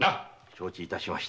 承知いたしました。